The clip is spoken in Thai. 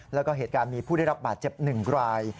แล้วก็เหตุการณ์มีผู้ได้รับบาดเจ็บ๑ราย